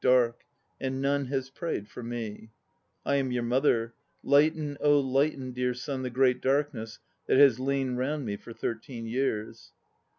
dark; and none has prayed for me. I am your mother. Lighten, oh lighten, dear son, the great darkness that has lain round me for thirteen years!